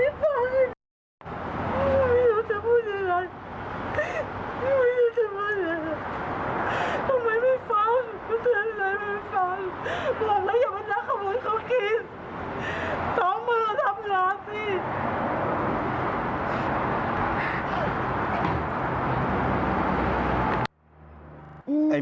สองมือทำงานสิ